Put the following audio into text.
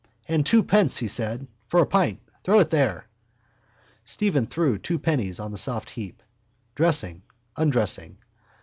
—And twopence, he said, for a pint. Throw it there. Stephen threw two pennies on the soft heap. Dressing, undressing.